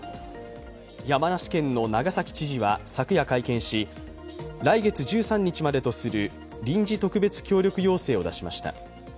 山梨県の長崎知事は先ほど会見し、来月１３日までとする臨時特別協力要請を出しました。